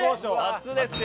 初ですよ。